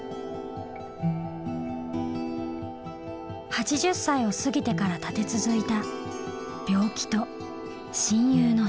８０歳を過ぎてから立て続いた病気と親友の死。